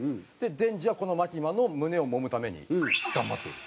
デンジはこのマキマの胸を揉むために頑張っている。